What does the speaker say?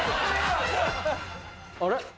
あれ？